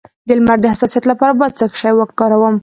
د لمر د حساسیت لپاره باید څه شی وکاروم؟